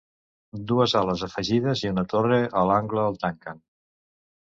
Dues ales afegides i una torre a l'angle el tanquen.